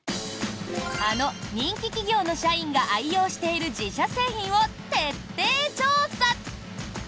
あの人気企業の社員が愛用している自社製品を徹底調査！